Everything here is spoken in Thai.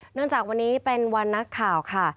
จากวันนี้เป็นวันนักข่าวค่ะ